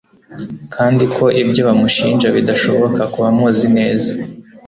kandi ko ibyo bamushinja bidashoboka ku bamuzi neza